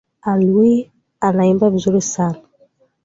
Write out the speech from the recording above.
Alwi anaimba vizuri sana.